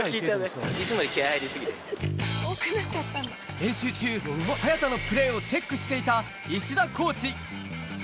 練習中、早田のプレーをチェックしていた、石田コーチ。